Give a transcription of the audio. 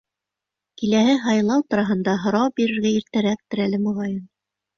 — Киләһе һайлау тураһында һорау бирергә иртәрәктер әле, моғайын?